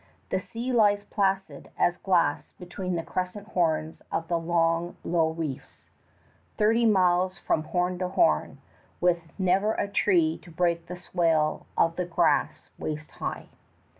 The sea lies placid as glass between the crescent horns of the long, low reefs, thirty miles from horn to horn, with never a tree to break the swale of the grass waist high.